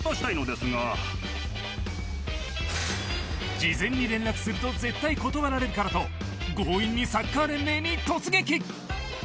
事前に連絡すると絶対断られるからと強引にサッカー連盟に突撃。